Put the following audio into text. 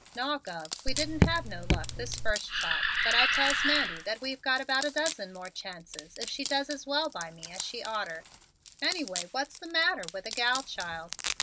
"Naw, Gov; we didn't have no luck this first shot but I tells Mandy that we've got about a dozen more chanstes if she does as well by me as she oughter. Anyway what's the matter with a gal child?"